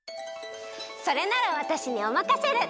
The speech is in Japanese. それならわたしにおまかシェル！